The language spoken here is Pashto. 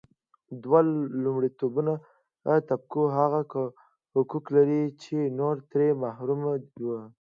دوه لومړنیو طبقو هغه حقوق لرل چې نور ترې محروم وو.